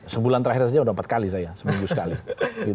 sebulan terakhir saja sudah empat kali saya seminggu sekali